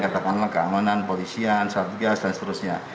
katakanlah keamanan polisian satgas dan seterusnya